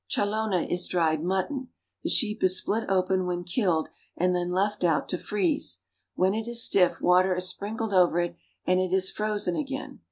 Challona is dried mutton. The sheep is split open when killed, and then left out to freeze. When it is stiff, water is sprinkled over it, and it is frozen again.